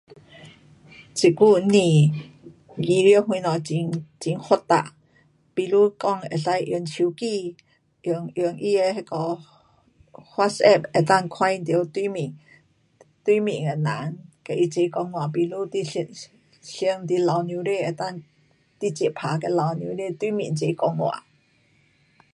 这久不旅游东西很发达。可以用手机，用用他的那个 whatsapp 能够看到对面，对面的人，跟他齐讲话，比如你想，想你父母亲，直接能够打给老母亲对面齐讲话。